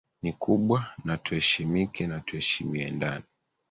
ni kubwa na tueshimike na tueshimiwe ndani